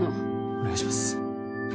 お願いします。